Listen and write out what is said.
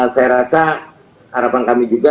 saya rasa harapan kami juga